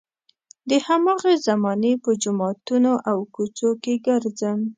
د هماغې زمانې په جوماتونو او کوڅو کې ګرځم.